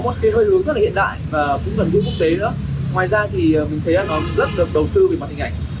ngoài ra thì mình thấy nó rất được đầu tư về mặt hình ảnh